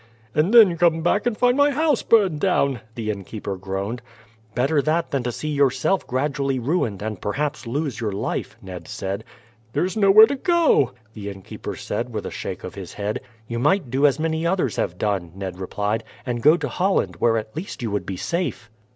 "And then come back and find my house burned down," the innkeeper groaned. "Better that than to see yourself gradually ruined, and perhaps lose your life," Ned said. "There is nowhere to go to," the innkeeper said with a shake of his head. "You might do as many others have done," Ned replied, "and go to Holland, where at least you would be safe."